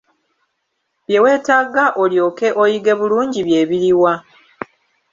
Bye weetaaga olyoke oyige bulungi bye biri wa?